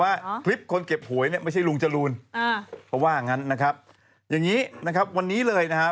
ว่าคลิปคนเก็บหวยเนี่ยไม่ใช่ลุงจรูนเพราะว่างั้นนะครับอย่างนี้นะครับวันนี้เลยนะฮะ